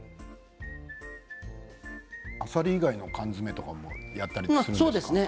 あさり以外の缶詰もやったりするんですか。